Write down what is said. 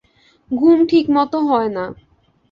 ঘুম ঠিকমত হয় না।